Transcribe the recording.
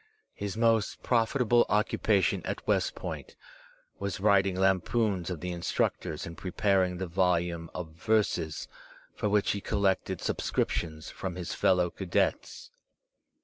His most profitable occupation at West Foint was writing lampoons of the instructors and preparing the volume of verses for which he collected subscriptions from his fellow cadets.